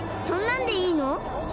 そんなんでいいの？